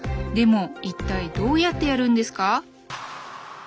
でも一体どうやってやるんですか？